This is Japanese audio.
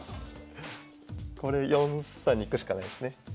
これ４三に行くしかないですね。